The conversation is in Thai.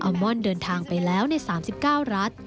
มอนเดินทางไปแล้วใน๓๙รัฐ